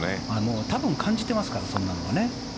多分感じてますからそんなのはね。